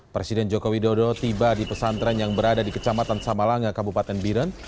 presiden joko widodo tiba di pesantren yang berada di kecamatan samalanga kabupaten biren